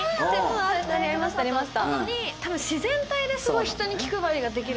あったありましたありました。